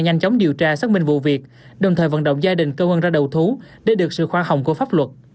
nhanh chóng điều tra xác minh vụ việc đồng thời vận động gia đình cơ quân ra đầu thú để được sự khoa hồng của pháp luật